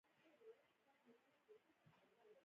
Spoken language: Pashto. د مڼې ونې له درېیم او د ناک ونې له څلورم کال حاصل ورکوي.